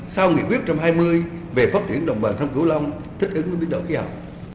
sau nghị quyết một trăm hai mươi về phát triển đồng bằng sông cửu long thích ứng với biến đổi khí hậu